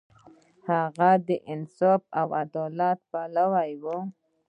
هغه د انصاف او عدالت پلوی و.